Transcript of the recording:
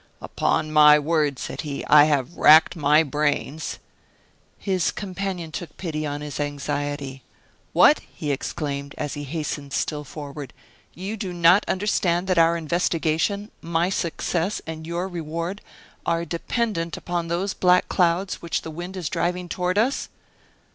"Upon my word," said he, "I have racked my brains " His companion took pity on his anxiety. "What!" he exclaimed, as he still hastened forward, "you do not understand that our investigation, my success, and your reward, are dependent upon those black clouds which the wind is driving toward us!"